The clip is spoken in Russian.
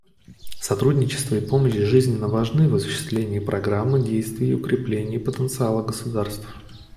Сотрудничество и помощь жизненно важны в осуществлении Программы действий и укреплении потенциала государств.